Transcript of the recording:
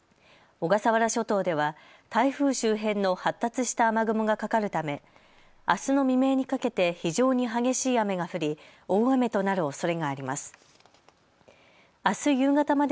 小笠原諸島では台風周辺の発達した雨雲がかかるためあすの未明にかけて非常に激しい雨が降り大雨となるおそれがあります。